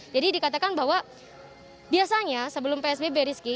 jadi dikatakan bahwa biasanya sebelum psb beriski